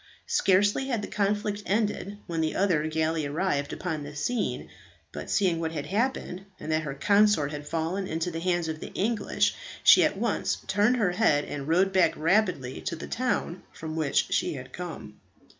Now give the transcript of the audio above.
Scarcely had the conflict ended when the other galley arrived upon the scene; but seeing what had happened, and that her consort had fallen into the hands of the English, she at once turned her head, and rowed back rapidly to the town from which she had come.